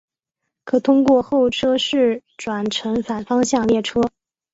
可通过候车室转乘反方向列车。